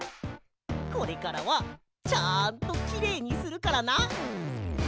これからはちゃんとキレイにするからな。